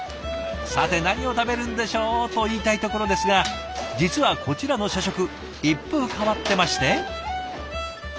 さて何を食べるんでしょうと言いたいところですが実はこちらの社食一風変わってまして。